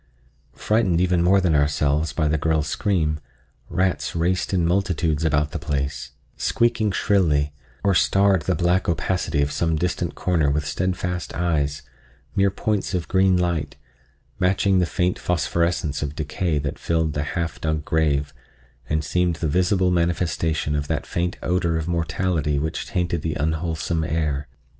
Frightened even more than ourselves by the girl's scream, rats raced in multitudes about the place, squeaking shrilly, or starred the black opacity of some distant corner with steadfast eyes, mere points of green light, matching the faint phosphorescence of decay that filled the half dug grave and seemed the visible manifestation of that faint odor of mortality which tainted the unwholesome air.